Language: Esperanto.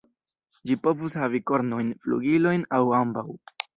Ĝi povus havi kornojn, flugilojn, aŭ ambaŭ.